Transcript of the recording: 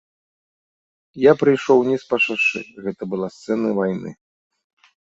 Я прайшоў уніз па шашы, гэта была сцэна вайны.